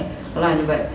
nó là như vậy